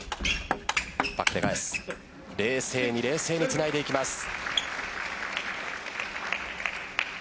冷静に冷静につないでいきます。